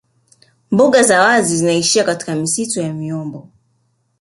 Mbuga za wazi zinaishia katika misitu ya miombo